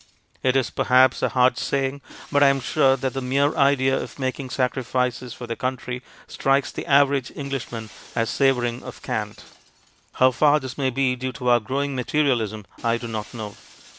It is, perhaps, a hard saying, but I am sure that the mere idea of making sacrifices for their country strikes the average Englishman as savouring of cant. How far this may be due to our growing materialism I do not know.